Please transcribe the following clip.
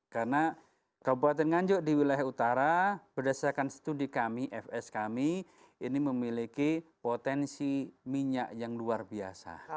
karena kabupaten nganjuk di wilayah utara berdasarkan studi kami fs kami ini memiliki potensi minyak yang luar biasa